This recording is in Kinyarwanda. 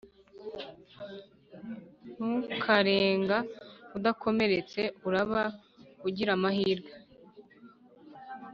Ntukarenga uDakomeretse uraba ugira amahirwe